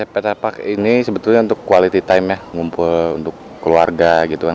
petapark ini sebetulnya untuk quality time ya ngumpul untuk keluarga gitu kan